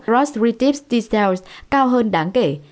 ros retips t cells cao hơn đáng kể